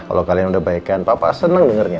kalau kalian udah baikan papa seneng dengarnya